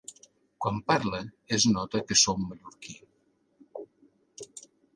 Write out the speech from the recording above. Quan parle, es nota que som mallorquí.